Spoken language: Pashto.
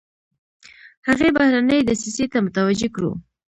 هغې بهرنۍ دسیسې ته متوجه کړو.